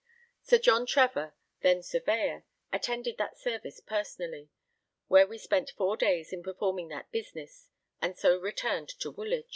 Sir John Trevor, then Surveyor, attended that service personally; where we spent four days in performing that business, and so returned to Woolwich.